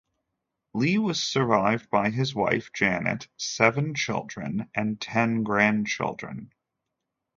Lee was survived by his wife, Janet, seven children and ten grandchildren.